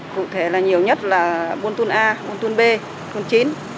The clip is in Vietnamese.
cụ thể là nhiều nhất là buôn thôn a buôn thôn b thôn chín